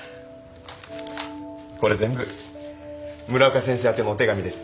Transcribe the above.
これ全部村岡先生宛てのお手紙です。